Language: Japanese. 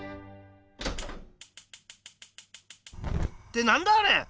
ってなんだあれ！